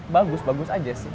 bagus bagus aja sih